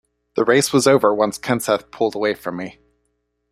The race was over once Kenseth pulled away from me.